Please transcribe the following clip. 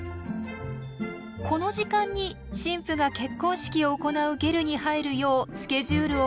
この時間に新婦が結婚式を行うゲルに入るようスケジュールを組むと。